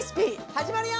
始まるよ！